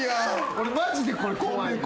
俺マジでこれ怖いねん。